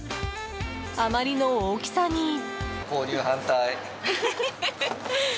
あまりの大きさに。